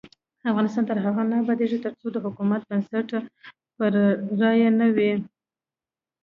افغانستان تر هغو نه ابادیږي، ترڅو د حکومت بنسټ پر رایه نه وي.